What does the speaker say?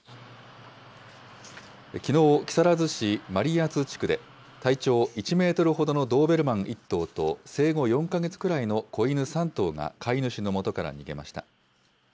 きのう、木更津市真里谷地区で、体長１メートルほどのドーベルマン１頭と、生後４か月くらいの子犬３頭が飼い主の下から逃げました。